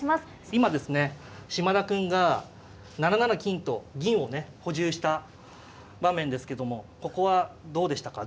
今ですね嶋田くんが７七金と銀をね補充した場面ですけどもここはどうでしたか。